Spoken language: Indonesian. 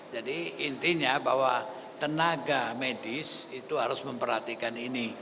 jadi intinya bahwa tenaga medis itu harus memperhatikan ini